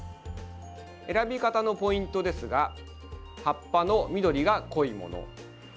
選び方のポイントですが葉っぱの緑が濃いもの。